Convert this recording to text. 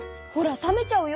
冷めちゃうよ！